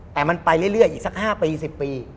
แต่มันไปเรื่อยอีกสัก๕ปี๑๐ปี